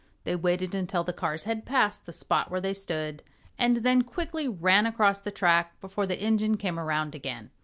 They waited until the cars had passed the spot where they stood and then quickly ran across the track before the engine came around again.